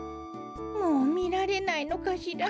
もうみられないのかしら。